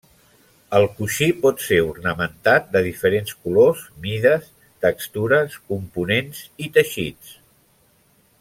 El coixí pot ser ornamentat, de diferents colors, mides, textures, components i teixits.